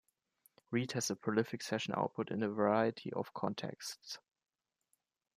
Reid has a prolific session output in a variety of contexts.